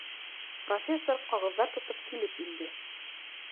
Профессор ҡағыҙҙар тотоп килеп инде.